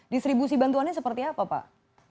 distribusi bantuannya seperti apa pak